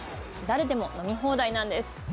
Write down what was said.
誰でも飲み放題なんです